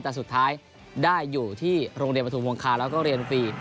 แต่สุดท้ายได้อยู่ที่โรงเรียนประทุมวงคาแล้วก็เรียนฟรี